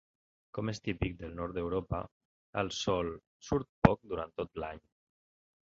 Com és típic del nord d'Europa, el sol surt poc durant tot l'any.